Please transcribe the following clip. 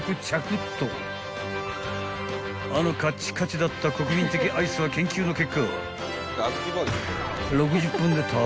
［あのカッチカチだった国民的アイスは研究の結果］